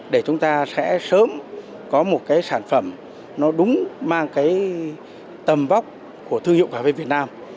để chúng ta sẽ sớm có một cái sản phẩm nó đúng mang cái tầm vóc của thương hiệu cà phê việt nam